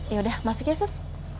yaudah masuk ya sus